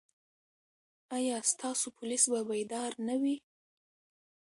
ایا ستاسو پولیس به بیدار نه وي؟